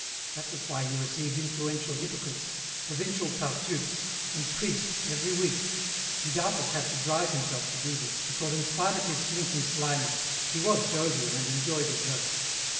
That was why he received influential hypocrites, provincial Tartufes, and priests every week. He doubtless had to drive himself to do this, because in spite of his slinking slyness he was jovial and enjoyed a joke.